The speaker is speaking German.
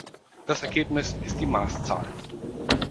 Das Ergebnis ist die Maßzahl.